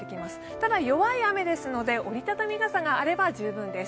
ただ、弱い雨ですので折り畳み傘があれば十分です。